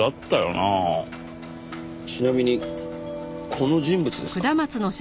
ちなみにこの人物ですか？